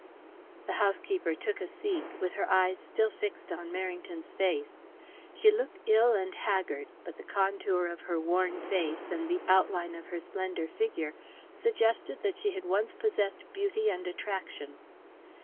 The housekeeper took a seat, with her eyes still fixed on Merrington's face. She looked ill and haggard, but the contour of her worn face, and the outline of her slender figure suggested that she had once possessed beauty and attraction.